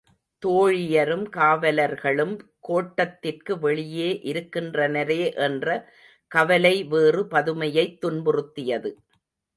தோழியரும் காவலர்களும் கோட்டத்திற்கு வெளியே இருக்கின்றனரே என்ற கவலை வேறு பதுமையைத் துன்புறுத்தியது.